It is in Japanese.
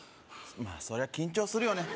まあそりゃ緊張するよね